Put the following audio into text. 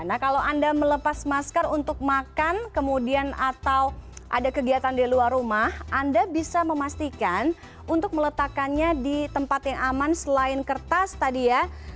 nah kalau anda melepas masker untuk makan kemudian atau ada kegiatan di luar rumah anda bisa memastikan untuk meletakkannya di tempat yang aman selain kertas tadi ya